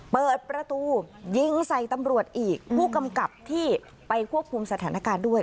เปิดประตูยิงใส่ตำรวจอีกผู้กำกับที่ไปควบคุมสถานการณ์ด้วย